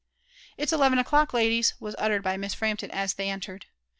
"It's eleven o'clock, ladies," was uttered by Miss Frampton as they entered.